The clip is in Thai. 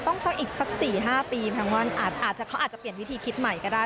สักอีกสัก๔๕ปีแพงว่าเขาอาจจะเปลี่ยนวิธีคิดใหม่ก็ได้